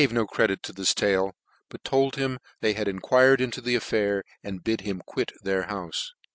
51 no credit to this tale, but told him they had en quired into the affair, and bid him quit their houfe.